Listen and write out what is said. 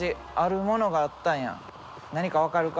何か分かるか？